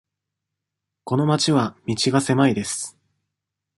この町は道が狭いです。